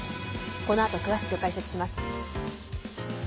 このあと詳しく解説します。